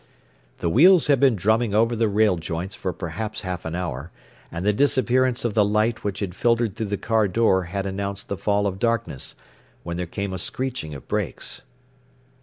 The wheels had been drumming over the rail joints for perhaps half an hour, and the disappearance of the light which had filtered through the car door had announced the fall of darkness, when there came a screeching of brakes.